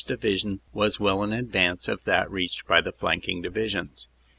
Division was well in advance of that reached by the flanking Divisions.